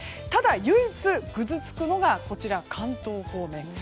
ただ唯一ぐずつくのが関東方面。